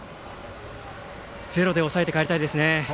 ゼロで抑えて帰りたいですね。